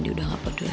di laci nggak ada